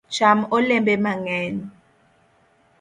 Cham olembe mang’eny